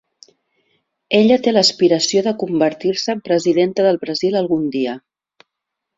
Ella té l'aspiració de convertir-se en presidenta del Brasil algun dia.